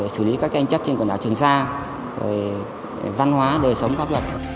xử lý các tranh chấp trên quần đảo trường sa văn hóa đời sống pháp luật